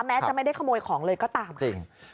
แม้จะไม่ได้ขโมยของเลยก็ตามจริง